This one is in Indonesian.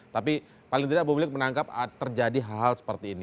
tapi paling tidak publik menangkap terjadi hal hal seperti ini